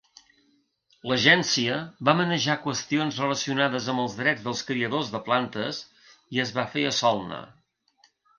L'Agència va manejar qüestions relacionades amb els drets dels criadors de plantes, i es va fer a Solna.